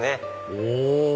お！